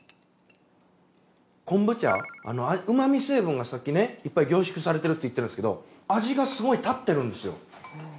昆布茶旨み成分がさっきねいっぱい凝縮されてるって言ってるんですけど味がすごい立ってるんですよ。